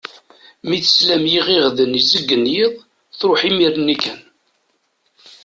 Mi tesla m yiɣiɣden izeggen yiḍ, truḥ imir-nni kan.